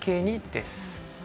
です。